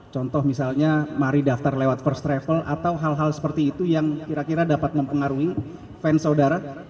contoh misalnya mari daftar lewat first travel atau hal hal seperti itu yang kira kira dapat mempengaruhi fans saudara